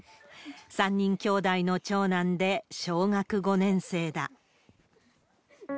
３人きょうだいの長男で、小学５年生だ。